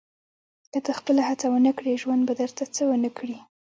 • که ته خپله هڅه ونه کړې، ژوند به درته څه ونه کړي.